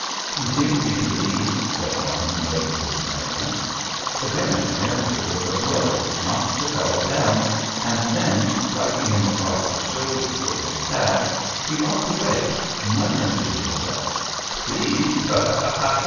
"You seem to be pleased," said one who noticed his merriment. The Baron's answer was a blow which knocked the fellow down, and then, striking him across the shoulders with his staff, he walked away, muttering to himself: "Pleased! Ha ha ha!